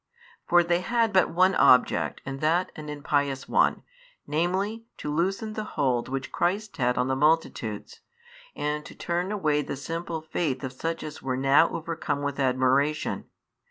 For they had but one object and that an impious one, namely, to loosen the hold which Christ had on the multitudes, and to turn away the simple faith of such as were now overcome with admiration.